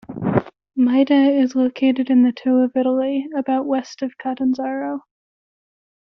Maida is located in the toe of Italy, about west of Catanzaro.